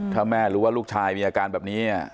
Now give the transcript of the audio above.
ถ้าแม่รู้ว่าลูกชายมีอาการแบบนี้